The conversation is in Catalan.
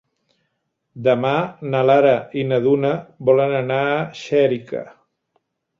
Demà na Lara i na Duna volen anar a Xèrica.